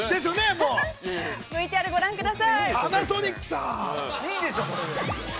ＶＴＲ、ご覧ください。